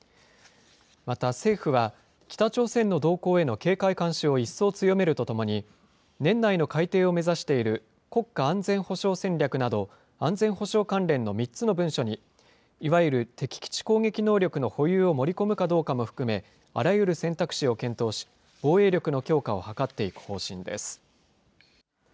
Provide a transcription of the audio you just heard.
また政府は、北朝鮮の動向への警戒監視を一層強めるとともに、年内の改定を目指している国家安全保障戦略など、安全保障関連の３つの文書に、いわゆる敵基地攻撃能力の保有を盛り込むかどうかも含め、あらゆる選択肢を検討し、防衛力の強化を図っていく方針です。